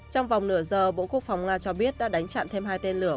trong vòng nửa giờ bộ quốc phòng nga cho biết đã đánh chặn thêm hai tên lửa